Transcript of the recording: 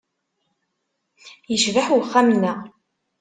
Yecbeḥ uxxam-nneɣ.